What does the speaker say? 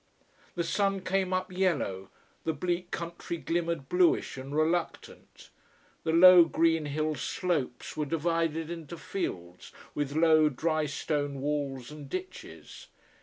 The sun came up yellow, the bleak country glimmered bluish and reluctant. The low, green hill slopes were divided into fields, with low drystone walls and ditches.